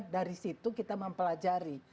dari situ kita mempelajari